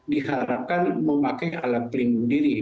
diharapkan memakai alat pelindung diri